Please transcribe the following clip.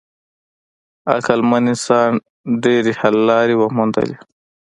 عقلمن انسان ډېرې حل لارې وموندلې.